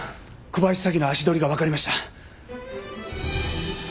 小林早紀の足取りがわかりました。